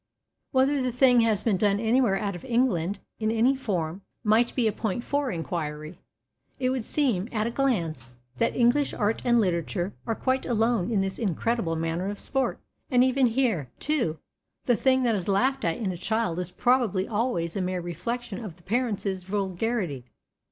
Whether the thing has been done anywhere out of England, in any form, might be a point for enquiry. It would seem, at a glance, that English art and literature are quite alone in this incredible manner of sport. And even here, too, the thing that is laughed at in a child is probably always a mere reflection of the parents' vulgarity.